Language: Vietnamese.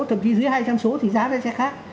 thậm chí dưới hai trăm linh số thì giá vé sẽ khác